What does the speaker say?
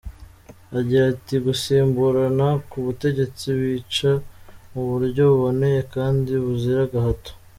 Agira ati “Gusimburana ku butegetsi bica mu buryo buboneye kandi buzira agahato.